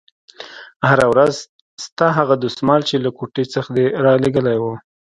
هره ورځ ستا هغه دسمال چې له کوټې څخه دې رالېږلى و.